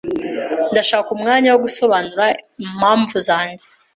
Ndashaka umwanya wo gusobanura impamvu zanjye.